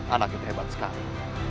anak yang hebat sekali